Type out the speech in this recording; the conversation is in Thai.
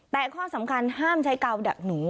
แต่ข้อสำคัญห้ามใช้กาวดักหนู